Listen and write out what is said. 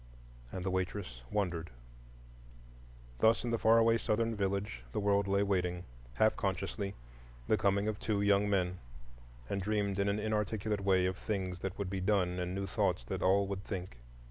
And the waitress wondered. Thus in the far away Southern village the world lay waiting, half consciously, the coming of two young men, and dreamed in an inarticulate way of new things that would be done and new thoughts that all would think.